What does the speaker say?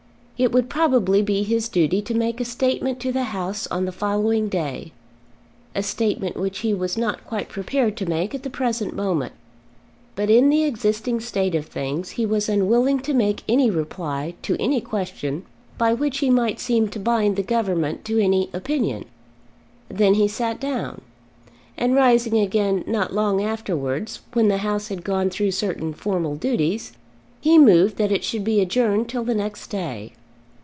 It would probably be his duty to make a statement to the House on the following day, a statement which he was not quite prepared to make at the present moment. But in the existing state of things he was unwilling to make any reply to any question by which he might seem to bind the government to any opinion. Then he sat down. And rising again not long afterwards, when the House had gone through certain formal duties, he moved that it should be adjourned till the next day.